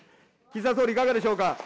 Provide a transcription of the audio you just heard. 岸田総理、いかがでしょうか。